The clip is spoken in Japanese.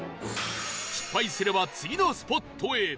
失敗すれば次のスポットへ